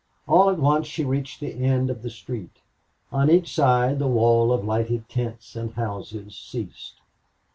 All at once she reached the end of the street. On each side the wall of lighted tents and houses ceased.